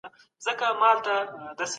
د غالیو تر څنګ د څرمنو تجارت ولي مهم و؟